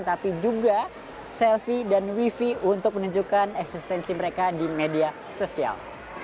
tapi juga selfie dan wifi untuk menunjukkan eksistensi mereka di media sosial